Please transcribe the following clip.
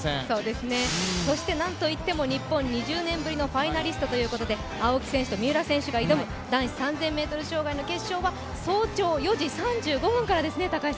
そしてなんといっても日本２０年ぶりのファイナリストということで青木選手と三浦選手が挑む男子３０００ｍ障害の決勝は早朝４時３５分からですね。